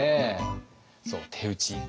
そう手打ち。